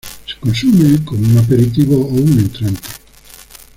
Se consume como un aperitivo o un entrante.